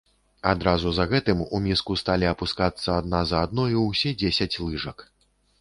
Адразу за гэтым у міску сталі апускацца адна за другою ўсе дзесяць лыжак.